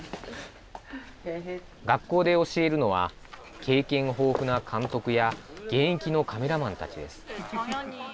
学校で教えるのは、経験豊富な監督や現役のカメラマンたちです。